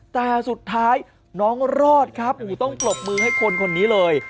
แต่สุดท้ายน้องรอดครับต้องปรบมือให้คนคนนี้เลย